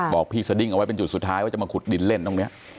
บอกพี่สดิ้งเอาไว้เป็นจุดสุดท้ายว่าจะมาขุดดินเล่นตรงนี้